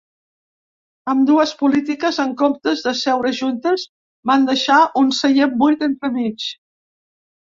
Ambdues polítiques, en comptes de seure juntes, van deixar un seient buit entremig.